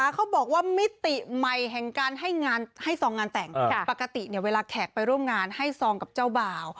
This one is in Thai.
เขาบอกว่ามิติใหม่แห่งการให้ซองงานแต่งปกติเวลาแขกไปร่วมงานให้ซองกับเจ้าบ่าว